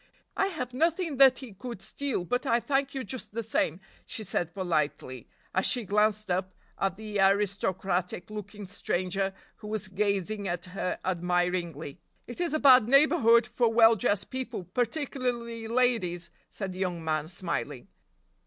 "I have nothing that he could steal, but I thank you just the same," she said politely, as she glanced up at the aristocratic looking stranger who was gazing at her admiringly. "It is a bad neighborhood for well dressed people, particularly ladies," said the young man, smiling.